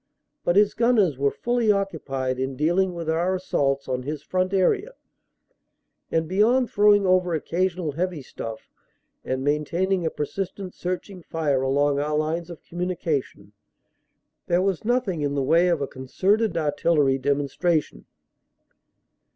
But his gunners were fully occu pied in dealing with our assaults on his front area, and beyond throwing over occasional heavy stuff and maintaining a per sistent searching fire along our lines of communication, there was nothing in the way of a concerted artillery demonstration.